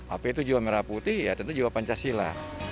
apa itu jiwa merah putih ya tentu jiwa pancasila